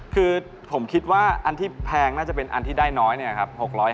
คือผมคิดว่าอันที่แพงน่าจะเป็นอันที่ได้น้อยเนี่ยครับ